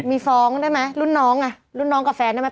มีฟ้องได้ไหมรุ่นน้องกับแฟนได้ไหม